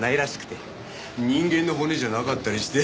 人間の骨じゃなかったりして。